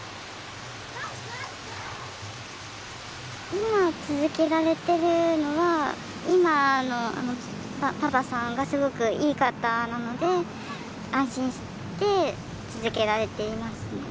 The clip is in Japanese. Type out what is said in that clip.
今続けられてるのは今のパパさんがすごくいい方なので安心して続けられていますね。